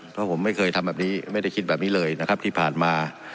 เพราะผมไม่เคยทำแบบนี้ไม่ได้คิดแบบนี้เลยนะครับที่ผ่านมา